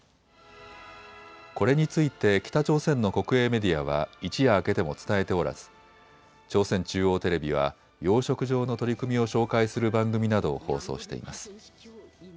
これについて北朝鮮の国営メディアは一夜明けても伝えておらず朝鮮中央テレビは養殖場の取り組みを紹介する番組などを放送しています。